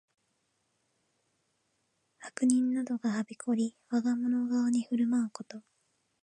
悪人などがはびこり、我がもの顔に振る舞うこと。